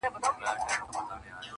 کرۍ ورځ ګرځي د کلیو پر مردارو!!